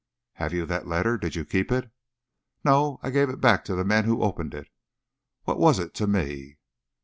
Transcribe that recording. "Have you that letter? Did you keep it?" "No; I gave it back to the men who opened it. What was it to me?"